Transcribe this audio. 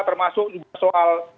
termasuk juga soal